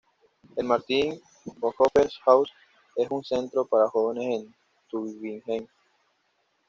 El "Martin-Bonhoeffer-Häuser", es un centro para jóvenes en Tübingen.